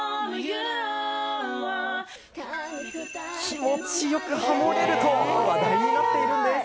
気持ちよくハモれると話題になっているんです。